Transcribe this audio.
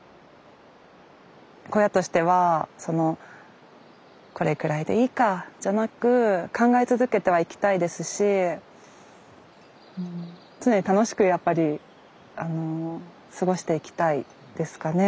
小屋としてはそのこれくらいでいいかじゃなく考え続けてはいきたいですし常に楽しくやっぱりあの過ごしていきたいですかね。